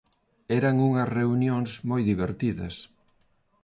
Eran unhas reunións moi divertidas.